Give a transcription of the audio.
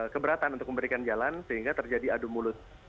keberatan untuk memberikan jalan sehingga terjadi adu mulut